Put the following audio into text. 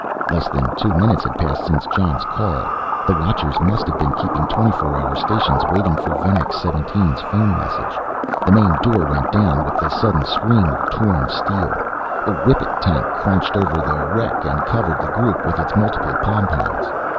Less than two minutes had passed since Jon's call. The watchers must have been keeping 24 hour stations waiting for Venex 17's phone message. The main door went down with the sudden scream of torn steel. A whippet tank crunched over the wreck and covered the group with its multiple pom poms.